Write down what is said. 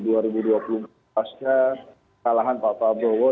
setelah kalahan pak bowo